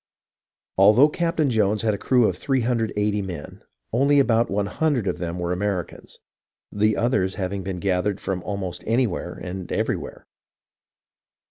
Although Captain Jones had a crew of 380 men, only about 100 of them were Americans, the others having been gathered from almost anywhere and everywhere.